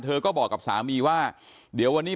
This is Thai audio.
เธอก็บอกกับสามีว่าเดี๋ยววันนี้